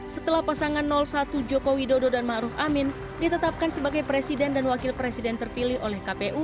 setelah pasangan satu joko widodo dan ⁇ maruf ⁇ amin ditetapkan sebagai presiden dan wakil presiden terpilih oleh kpu